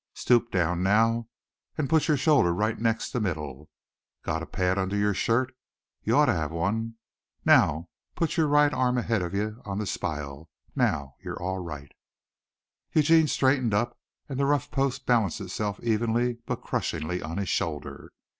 Stoop down now and put your shoulder right next the middle. Gotta pad under your shirt? You oughtta have one. Now put your right arm out ahead o'yuh, on the spile. Now you're all right." Eugene straightened up and the rough post balanced itself evenly but crushingly on his shoulder.